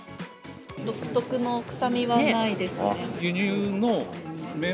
独特の臭みはないですね。